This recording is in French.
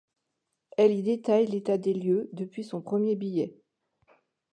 Elle y détaille l'état des lieux depuis son premier billet.